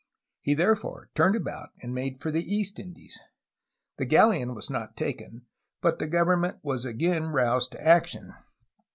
He therefore turned about, and made for the East Indies. The galleon was not taken, but the government was again roused to action.